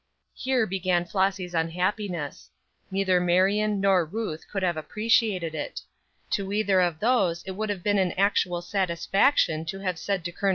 Here began Flossy's unhappiness. Neither Marion nor Ruth could have appreciated it. To either of those it would have been an actual satisfaction to have said to Col.